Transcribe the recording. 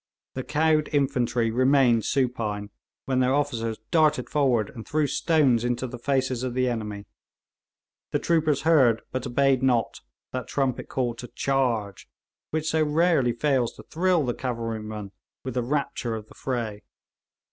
The cowed infantry remained supine, when their officers darted forward and threw stones into the faces of the enemy; the troopers heard but obeyed not that trumpet call to 'Charge!' which so rarely fails to thrill the cavalryman with the rapture of the fray.